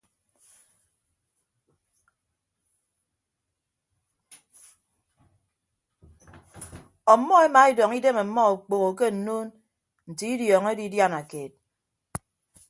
Ọmmọ emaedọñ idem ọmmọ okpoho ke nnuun nte idiọñọ edidiana keet.